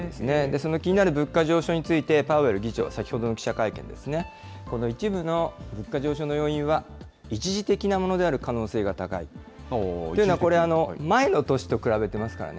その気になる物価上昇について、パウエル議長、先ほどの記者会見ですね、この一部の物価上昇の要因は、一時的なものである可能性が高い。というのはこれ、前の年と比べてますからね。